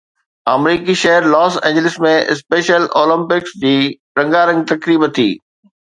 آمريڪي شهر Los Angeles ۾ Special Olympics جي رنگارنگ تقريب ٿي